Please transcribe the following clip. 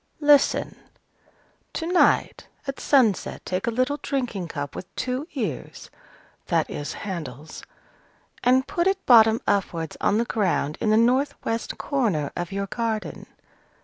Listen. To night, at sunset, take a little drinking cup with two ears" (that is, handles), "and put it bottom upwards on the ground in the north west corner of your garden.